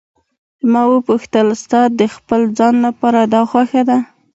ما وپوښتل: ستا د خپل ځان لپاره دا خوښه ده.